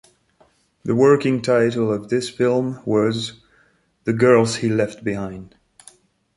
The working title of this film was "The Girls He Left Behind".